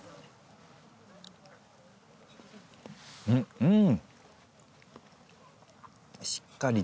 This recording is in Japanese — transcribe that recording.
うんうん！